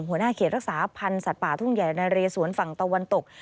หัวหน้าเขตรักษาพันธ์สัตว์ป่าทุ่งใหญ่นะเรสวนฝั่งตะวันตก